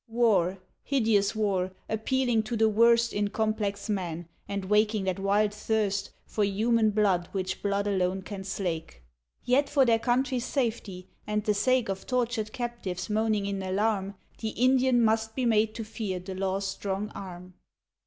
War, hideous war, appealing to the worst In complex man, and waking that wild thirst For human blood which blood alone can slake. Yet for their country's safety, and the sake Of tortured captives moaning in alarm The Indian must be made to fear the law's strong arm.